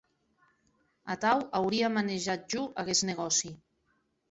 Atau auria manejat jo aguest negòci.